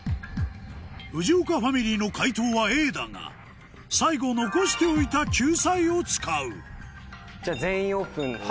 藤岡ファミリーの解答はＡだが最後残しておいた救済を使うじゃあ「全員オープン」で。